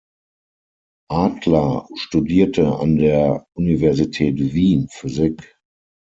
Adler studierte an der Universität Wien Physik.